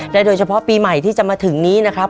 โดยเฉพาะปีใหม่ที่จะมาถึงนี้นะครับ